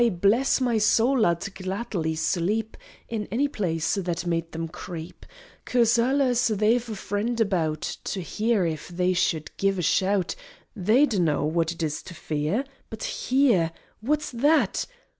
Bless my soul! I'd gladly sleep In any place what made them creep! Coz allers they've a friend about To hear if they should give a shout! They dunno what it is to fear But here _What's that?